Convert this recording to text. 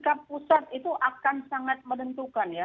maka pusat itu akan sangat menentukan ya